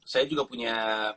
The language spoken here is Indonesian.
saya juga punya